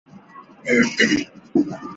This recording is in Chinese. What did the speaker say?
并将儿童教养院外迁。